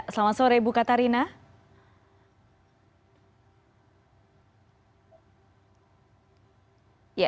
selamat sore ibu katarina